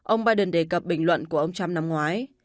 ông biden đề cập bình luận của ông trump năm ngoái